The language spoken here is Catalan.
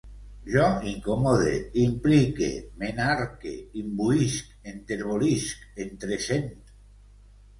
Jo incomode, implique, m'enarque, imbuïsc, enterbolisc, entresent